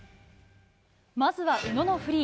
まずは宇野のフリー。